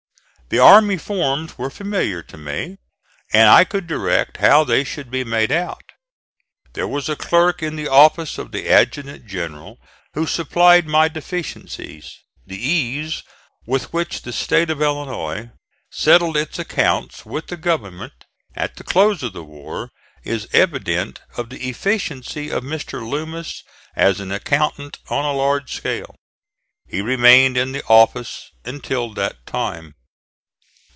The army forms were familiar to me and I could direct how they should be made out. There was a clerk in the office of the Adjutant General who supplied my deficiencies. The ease with which the State of Illinois settled its accounts with the government at the close of the war is evidence of the efficiency of Mr. Loomis as an accountant on a large scale. He remained in the office until that time.